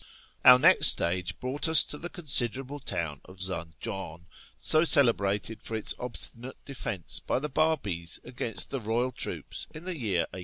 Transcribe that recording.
Our next stage brought us to the considerable town of Zanjan, so celebrated for its obstinate defence by the Babis FROM TABRIZ TO TEHERAn ji against the royal troops in the year 1850.